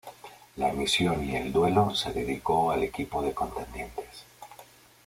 La emisión y el duelo se dedicó al equipo de contendientes.